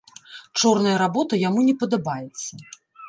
Чорная работа яму не падабаецца.